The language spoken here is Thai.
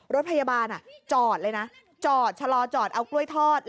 รถพยาบาลจอดเลยชะลอเอากล้วยทอด